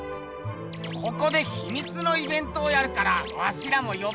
ここでひみつのイベントをやるからワシらもよばれたってことだな。